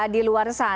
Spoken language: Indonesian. di luar sekolah